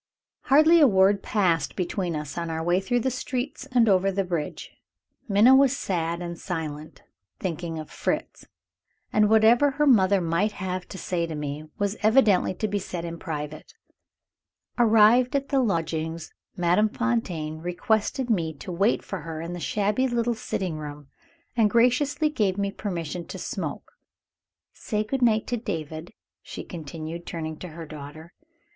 Hardly a word passed between us on our way through the streets and over the bridge. Minna was sad and silent, thinking of Fritz; and whatever her mother might have to say to me, was evidently to be said in private. Arrived at the lodgings, Madame Fontaine requested me to wait for her in the shabby little sitting room, and graciously gave me permission to smoke. "Say good night to David," she continued, turning to her daughter.